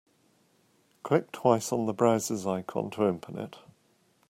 Click twice on the browser's icon to open it.